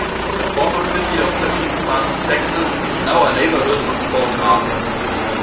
The former city of Sabine Pass, Texas is now a neighborhood of Port Arthur.